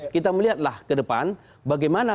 kita melihatlah ke depan bagaimana